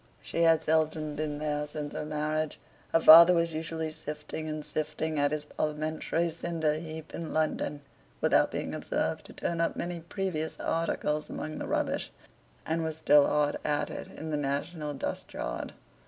She had seldom been there since her marriage. Her father was usually sifting and sifting at his parliamentary cinder heap in London (without being observed to turn up many precious articles among the rubbish), and was still hard at it in the national dust yard.